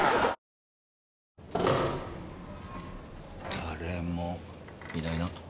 誰もいないな。